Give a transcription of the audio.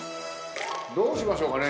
どうしましょうかね？